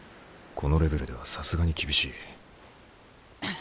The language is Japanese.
このレベルではさすがに厳しい。